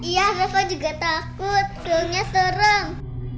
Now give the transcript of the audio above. iya reva juga takut filmnya sereng